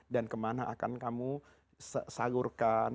kemana akan kamu salurkan